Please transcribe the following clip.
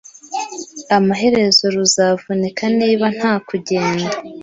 amaherezo ruzavunika Niba nta kugenda